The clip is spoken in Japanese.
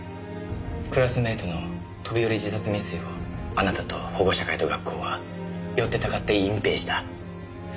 クラスメートの飛び降り自殺未遂をあなたと保護者会と学校はよってたかって隠蔽した。